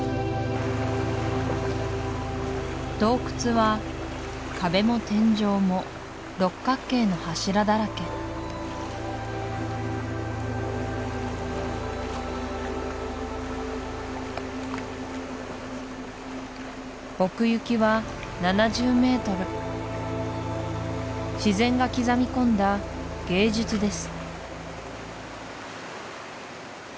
洞窟は壁も天井も六角形の柱だらけ奥行きは７０メートル自然が刻みこんだ芸術です